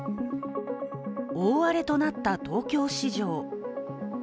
大荒れとなった東京市場。